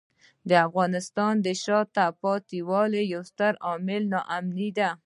د افغانستان د شاته پاتې والي یو ستر عامل ناامني دی.